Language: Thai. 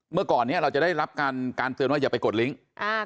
เมื่อก่อนเนี้ยเราจะได้รับการการเตือนว่าอย่าไปกดลิงค์